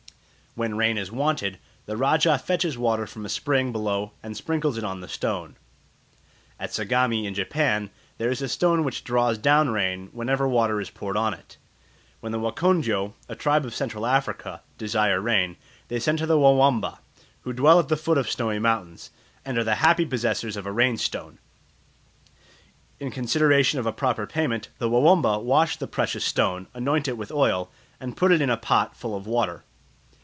When rain is wanted, the rajah fetches water from a spring below and sprinkles it on the stone. At Sagami in Japan there is a stone which draws down rain whenever water is poured on it. When the Wakondyo, a tribe of Central Africa, desire rain, they send to the Wawamba, who dwell at the foot of snowy mountains, and are the happy possessors of a "rain stone." In consideration of a proper payment, the Wawamba wash the precious stone, anoint it with oil, and put it in a pot full of water.